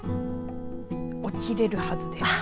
起きれるはずです。